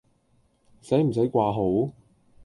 洗唔洗掛號？